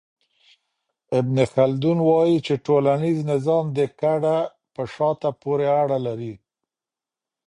ابن خلدون وايي چي ټولنيز نظام د کډه په شاته پوري اړه لري.